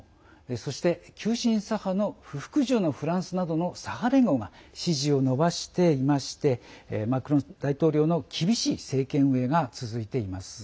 そして、急進左派の不服従のフランスなど左派連合が支持を伸ばしていましてマクロン大統領の厳しい政権運営が続いています。